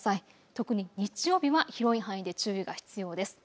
特に日曜日は広い範囲で注意が必要です。